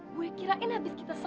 buaya kirain habis kita berdua